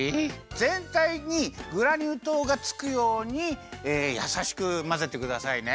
ぜんたいにグラニュー糖がつくようにやさしくまぜてくださいね。